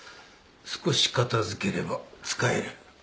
少し片付ければ使える。